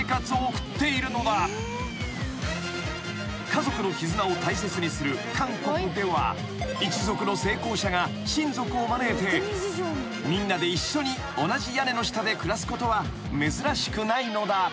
［家族の絆を大切にする韓国では一族の成功者が親族を招いてみんなで一緒に同じ屋根の下で暮らすことは珍しくないのだ］